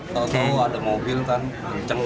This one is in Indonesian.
tau tau ada mobil kan kenceng